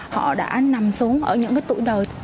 họ đã nằm xuống ở những tuổi đời